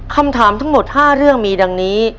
คำถามทั้งหมด๕เรื่องมีดังนี้